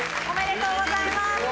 おめでとうございます。